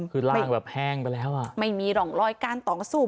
คือร่างแบบแห้งไปแล้วอ่ะไม่มีร่องรอยการต่อสู้